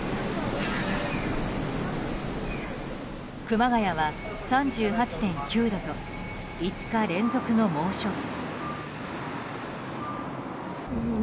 熊谷は３８．９度と５日連続の猛暑日。